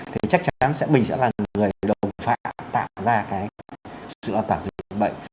thì chắc chắn sẽ bình chẳng là người đồng phạm tạo ra cái sự lo tả dịch bệnh